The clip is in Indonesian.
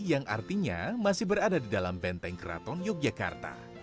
yang artinya masih berada di dalam benteng keraton yogyakarta